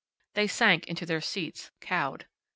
They sank into their seats, cowed.